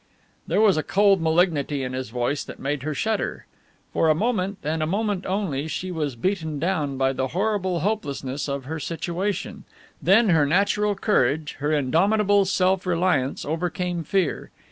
There was a cold malignity in his voice that made her shudder. For a moment, and a moment only, she was beaten down by the horrible hopelessness of her situation, then her natural courage, her indomitable, self reliance overcame fear.